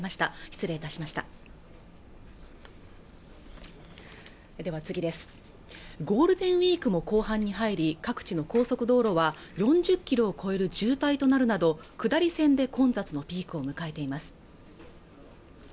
失礼いたしましたゴールデンウィークも後半に入り各地の高速道路は４０ｋｍを超える渋滞となるなど下り線で混雑のピークを迎えています